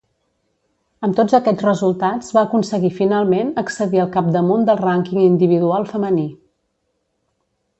Amb tots aquests resultats va aconseguir finalment accedir al capdamunt del rànquing individual femení.